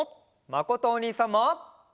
まことおにいさんも。